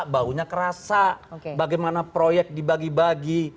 kalau kita mau kerasa bagaimana proyek dibagi bagi